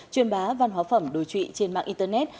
truyền bá văn hóa phẩm đối trụy trên mạng internet